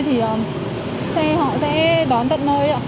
thì xe họ sẽ đón tận nơi